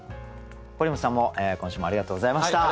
堀本さんも今週もありがとうございました。